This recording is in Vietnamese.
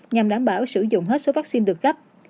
nhằm đảm bảo sử dụng hết số vaccine được cấp